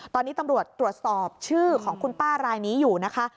ตอนนี้ตำรวจตรวจสอบชื่อของคุณป้ารายนี้อยู่นะคะ